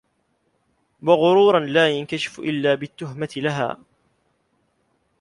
وَغُرُورًا لَا يَنْكَشِفُ إلَّا بِالتُّهْمَةِ لَهَا